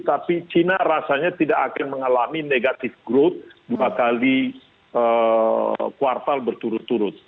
tapi china rasanya tidak akan mengalami negatif growth dua kali kuartal berturut turut